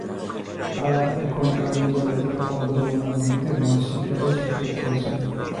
তাঁরা এখন কারেন্ট জাল নিয়ে পদ্মা-যমুনা নদীতে মাছ শিকারে ঝুঁকে পড়েছেন।